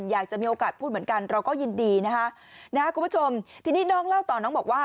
อยากจะมีโอกาสพูดเหมือนกันเราก็ยินดีนะคะนะคุณผู้ชมทีนี้น้องเล่าต่อน้องบอกว่า